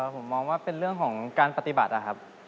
ผมมองว่าเป็นเรื่องของการปฏิบัตินะครับ